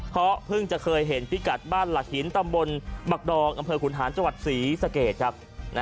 เพราะเพิ่งจะเคยเห็นพิกัดบ้านหลักหินตำบลหมักดองอำเภอขุนหารจังหวัดศรีสะเกดครับ